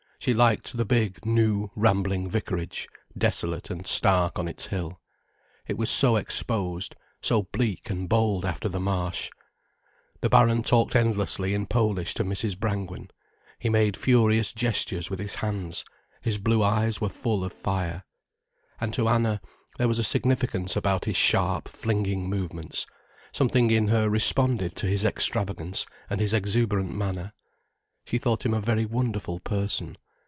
She liked the big, new, rambling vicarage, desolate and stark on its hill. It was so exposed, so bleak and bold after the Marsh. The Baron talked endlessly in Polish to Mrs. Brangwen; he made furious gestures with his hands, his blue eyes were full of fire. And to Anna, there was a significance about his sharp, flinging movements. Something in her responded to his extravagance and his exuberant manner. She thought him a very wonderful person.